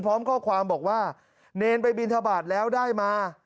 พร้อมข้อความบอกว่าเนรไปบินทบาทแล้วได้มา